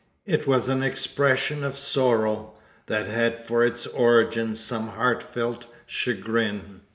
It was an expression of sorrow, that had for its origin some heartfelt chagrin.